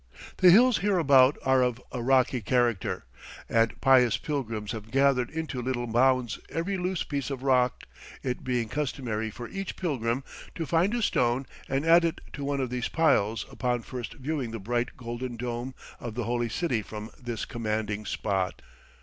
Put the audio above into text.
The hills hereabout are of a rocky character, and pious pilgrims have gathered into little mounds every loose piece of rock, it being customary for each pilgrim to find a stone and add it to one of these piles upon first viewing the bright golden dome of the holy city from this commanding spot.